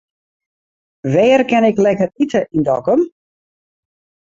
Wêr kin ik lekker ite yn Dokkum?